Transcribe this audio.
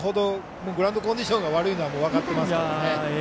グラウンドコンディションが悪いのは分かってますから。